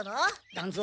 団蔵。